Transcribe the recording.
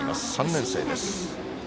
３年生です。